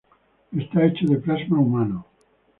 Está hecho de plasma humano.